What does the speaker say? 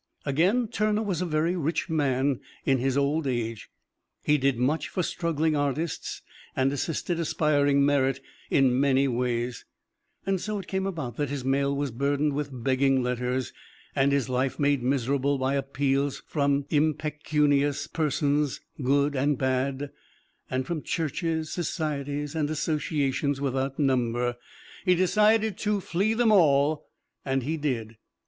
Again, Turner was a very rich man in his old age; he did much for struggling artists and assisted aspiring merit in many ways. So it came about that his mail was burdened with begging letters, and his life made miserable by appeals from impecunious persons, good and bad, and from churches, societies and associations without number. He decided to flee them all; and he did.